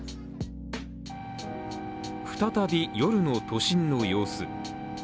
再び、夜の都心の様子。